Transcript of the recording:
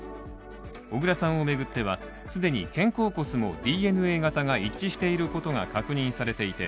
小倉さんを巡っては、既に肩甲骨のＤＮＡ型が一致していることが確認されていて、